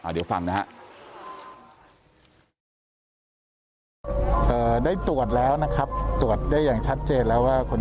เดี๋ยวฟังนะฮะ